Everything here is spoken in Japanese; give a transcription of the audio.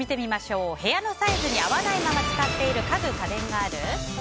部屋のサイズに合わないまま使っている家具・家電がある？